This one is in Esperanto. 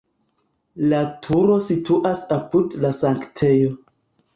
La turo situas apud la sanktejo.